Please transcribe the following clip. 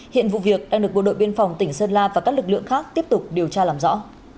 hiện vụ việc đang được bộ đội biên phòng tỉnh sơn la và các lực lượng khác tiếp tục điều tra làm rõ